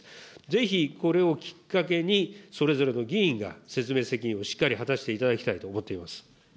ぜひこれをきっかけに、それぞれの議員が、説明責任をしっかり果たしていただきたいと思っています。